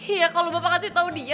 iya kalau bapak kasih tau dia